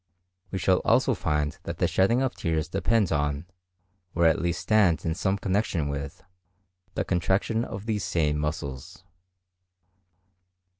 We shall also find that the shedding of tears depends on, or at least stands in some connection with, the contraction of these same muscles.